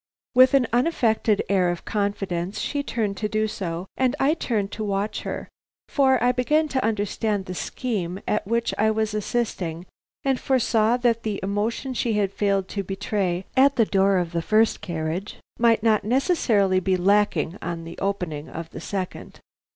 With an unaffected air of confidence she turned to do so, and I turned to watch her, for I began to understand the "scheme" at which I was assisting, and foresaw that the emotion she had failed to betray at the door of the first carriage might not necessarily be lacking on the opening of the second.